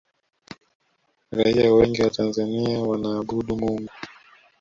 raia wengi wa tanzania wanaabudu mungu